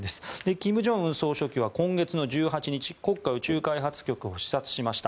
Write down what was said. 金正恩総書記は今月１８日、国家宇宙開発局を視察しました。